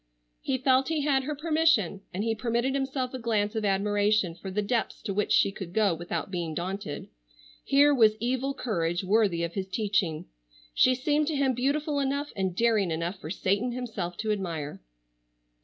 He felt he had her permission, and he permitted himself a glance of admiration for the depths to which she could go without being daunted. Here was evil courage worthy of his teaching. She seemed to him beautiful enough and daring enough for Satan himself to admire.